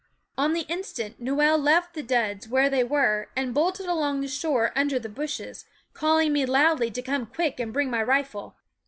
On the instant Noel left the duds where they were and bolted along the shore under the bushes, calling me loudly to come quick and bring my rifle.